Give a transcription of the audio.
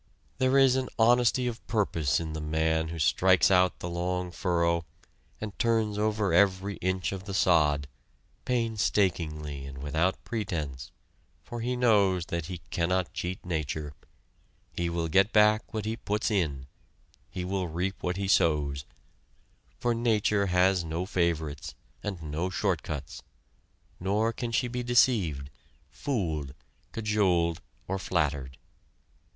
There is an honesty of purpose in the man who strikes out the long furrow, and turns over every inch of the sod, painstakingly and without pretense; for he knows that he cannot cheat nature; he will get back what he puts in; he will reap what he sows for Nature has no favorites, and no short cuts, nor can she be deceived, fooled, cajoled or flattered.